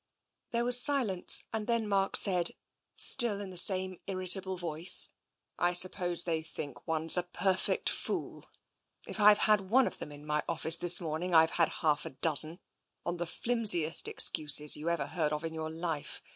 There was silence, and then Mark said, still in the same irritable voice :" I suppose they think one's a perfect fool. If I've had one of them into my office this morning, I've had half a dozen — on the flimsiest excuses you ever heard of in your life.